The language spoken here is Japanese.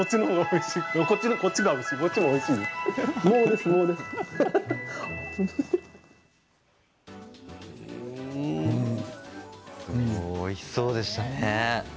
すごいおいしそうでしたね。